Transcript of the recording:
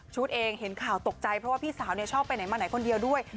เองเห็นข่าวตกใจเพราะว่าพี่สาวชอบไปไหนมาไหนคนเดียวด้วย